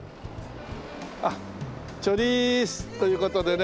あっチョリーッス！という事でね。